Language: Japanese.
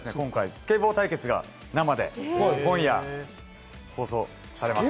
スケボー対決が生で今夜放送されます。